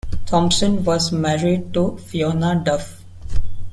Thompson was married to Fiona Duff.